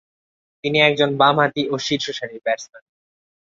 তিনি একজন বামহাতি ও শীর্ষসারির ব্যাটসম্যান।